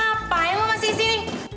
eh ngapain lo masih disini